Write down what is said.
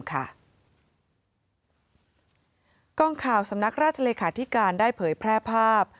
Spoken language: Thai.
กองข่าวสำนักราชเลขาธิการได้เผยแพร่ภาพ